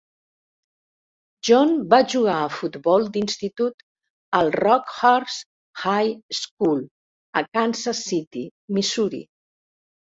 John va jugar a futbol d'institut al Rockhurst High School a Kansas City, Missouri.